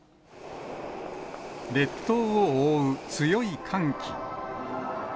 列島を覆う強い寒気。